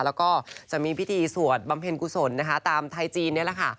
แล้วก็จะมีพิธีสวดบำเพ็ญกุศลนะคะตามไทยจีนนี่แหละค่ะ